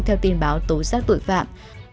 theo tin báo tố xác tội phạm